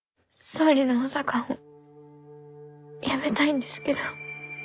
総理の補佐官を辞めたいんですけど。